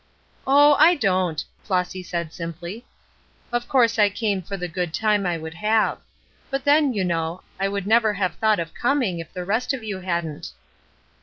"Oh, I don't," Flossy said, simply. "Of course I came for the good time I would have. But then, you know, I would never have thought of coming if the rest of you hadn't."